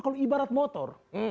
kalau ibarat motor